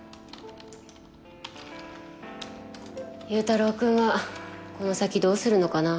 祐太郎くんはこの先どうするのかな？